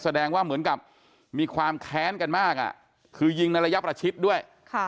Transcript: แสดงว่าเหมือนกับมีความแค้นกันมากคือยิงในระยะประชิดด้วย